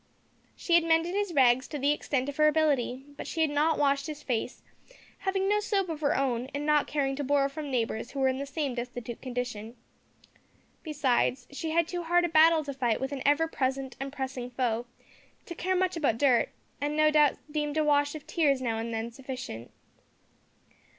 She had mended his rags to the extent of her ability, but she had not washed his face, having no soap of her own, and not caring to borrow from neighbours who were in the same destitute condition. Besides, she had too hard a battle to fight with an ever present and pressing foe, to care much about dirt, and no doubt deemed a wash of tears now and then sufficient.